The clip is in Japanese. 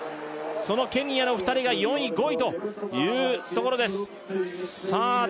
そのケニアの２人が４位５位というところですさあ